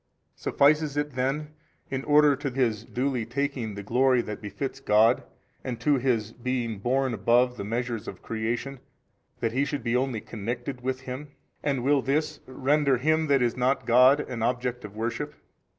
A. Suffices it then in order to his duly taking the glory that befits God and to his being borne above the measures of creation, that he should be only connected with Him, and will this render him that is not God an object of worship?